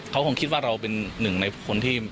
เขาคงคิดว่าเราเป็นหนึ่งในคนที่